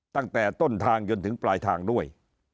ตั้งแต่ต้นทางจนถึงปลายทางด้วย